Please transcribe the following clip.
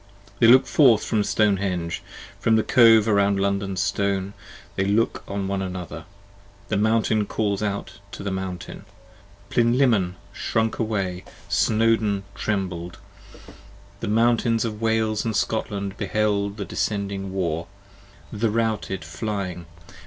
They look forth from Stone henge: from the Cove round London Stone They look on one another: the mountain calls out to the mountain: Plinlimmon shrunk away: Snowdon trembled: the mountains 60 Of Wales & Scotland beheld the descending War, the routed flying.